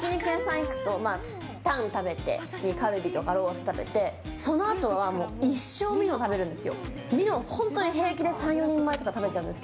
肉とタンを食べて、カルビとかロース食べてそのあとは一生ミノ食べるんです。